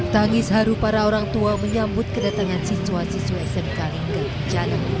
tangis haru para orang tua menyambut kedatangan siswa siswa smk lingga caleg